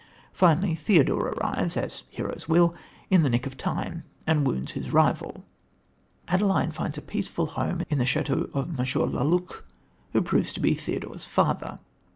Finally, Theodore arrives, as heroes will, in the nick of time, and wounds his rival. Adeline finds a peaceful home in the chateau of M. La Luc, who proves to be Theodore's father.